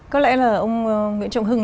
có lẽ là ông nguyễn trọng hưng